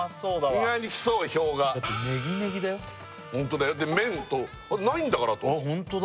意外に来そう票がホントだよで麺とないんだからあとホントだ